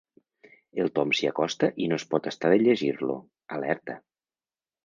El Tom s'hi acosta i no es pot estar de llegir-lo: «Alerta.